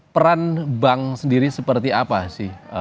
peran bank sendiri seperti apa sih